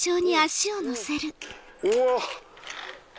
うわ！